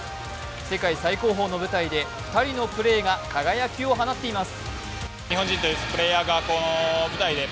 世界最高峰の舞台で２人のプレーが輝きを放っています。